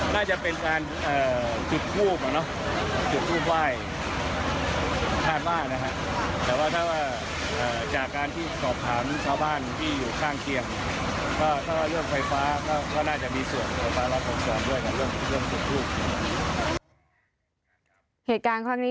น่าจะเป็นการจุดคู่เพราะเราอยู่คู่วายชาติบ้านนะแต่ว่าถ้าว่า